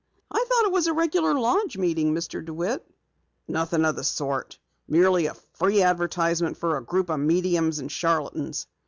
"I thought it was a regular lodge meeting, Mr. DeWitt." "Nothing of the sort. Merely a free advertisement for a group of mediums and charlatans."